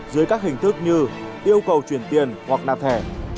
dưới các hình thức như yêu cầu chuyển tiền hoặc nạp thẻ